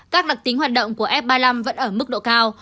các đặc tính hoạt động của f ba mươi năm vẫn ở mức độ cao